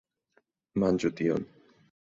Manĝu tion!